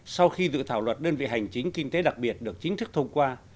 sau khi dự thảo luật đơn vị hành chính kinh tế đặc biệt được chính thức thông qua